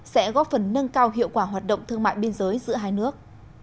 sẽ góp phần nâng cao hiệu quả hoạt động thương mại biên giới giữa hai nước